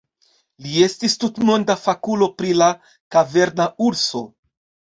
Li estis tutmonda fakulo pri la kaverna urso.